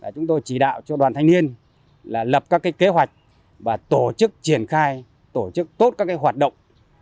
chúng tôi chỉ đạo cho đoàn thanh niên là lập các kế hoạch và tổ chức triển khai tổ chức tốt các hoạt động